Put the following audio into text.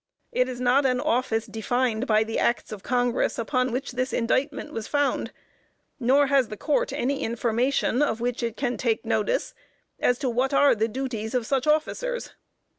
It is not an office defined by the Acts of Congress upon which this indictment was found, nor has the Court any information of which it can take notice as to what are the duties of such officers.